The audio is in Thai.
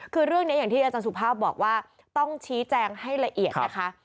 คือเรื่องนี้อย่างที่อาจารย์สุภาพบอกว่าต้องชี้แจงให้ละเอียดนะคะ